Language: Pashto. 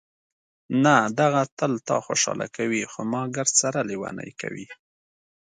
نه، دغه تل تا خوشحاله کوي، خو ما ګردسره لېونۍ کوي.